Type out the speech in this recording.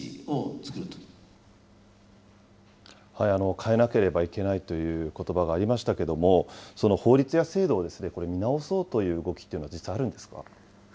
変えなければいけないということばがありましたけれども、法律や制度を見直そうという動きは実際あるんですか。